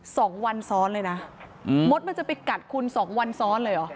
สองวันซ้อนเลยนะอืมมดมันจะไปกัดคุณสองวันซ้อนเลยเหรอ